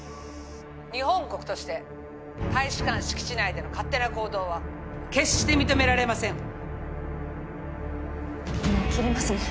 日本国として大使館敷地内での勝手な行動は決して認められませんもう切りますね